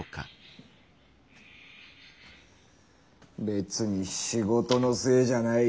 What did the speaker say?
別に仕事のせいじゃない。